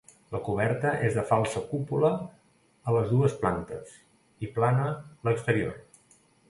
La coberta és de falsa cúpula a les dues plantes, i plana l'exterior.